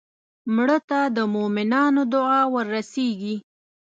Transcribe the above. مړه ته د مومنانو دعا ورسېږي